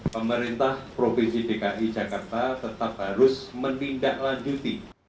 pemerintah provinsi dki jakarta tetap harus menindaklanjuti